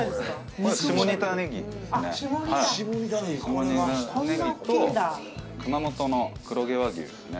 これが熊本の黒毛和牛ですね